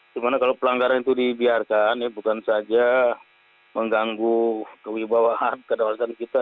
sebenarnya kalau pelanggaran itu dibiarkan bukan saja mengganggu kewibawaan kedawasan kita